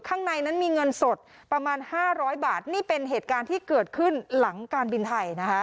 ข้างในนั้นมีเงินสดประมาณ๕๐๐บาทนี่เป็นเหตุการณ์ที่เกิดขึ้นหลังการบินไทยนะคะ